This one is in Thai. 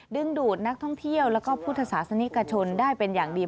ดึงดูดนักท่องเที่ยวแล้วก็พุทธศาสนิกชนได้เป็นอย่างดี